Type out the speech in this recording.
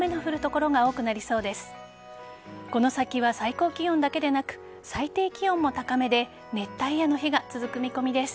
この先は最高気温だけでなく最低気温も高めで熱帯夜の日が続く見込みです。